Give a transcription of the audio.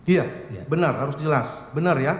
iya benar harus jelas benar ya